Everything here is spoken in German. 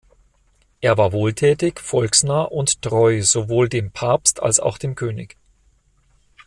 Er war wohltätig, volksnah und treu sowohl dem Papst als auch dem König.